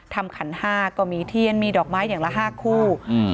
ขันห้าก็มีเทียนมีดอกไม้อย่างละห้าคู่อืม